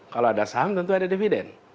kalau ada saham tentu ada dividen